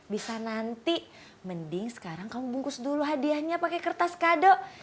bisa nanti mending sekarang kamu bungkus dulu hadiahnya pakai kertas kado